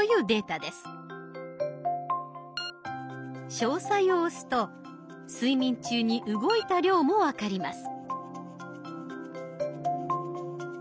「詳細」を押すと睡眠中に動いた量も分かります。